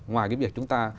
ngoài cái việc chúng ta